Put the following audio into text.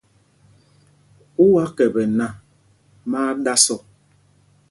U wá kɛpɛ nak, má á ɗǎs ɔ.